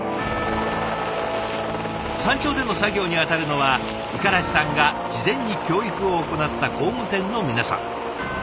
山頂での作業に当たるのは五十嵐さんが事前に教育を行った工務店の皆さん。